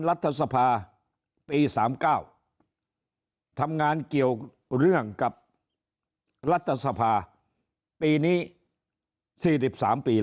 รัฐสภาปี๓๙ทำงานเกี่ยวเรื่องกับรัฐสภาปีนี้๔๓ปี